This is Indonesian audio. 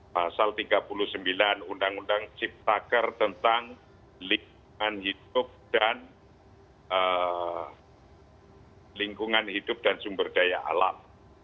pasal tiga puluh sembilan undang undang cipta kerja tentang lingkungan hidup dan sumber daya alam